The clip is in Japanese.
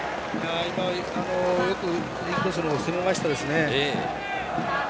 今、よくインコースの方を攻めましたね。